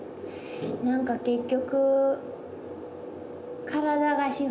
何か結局。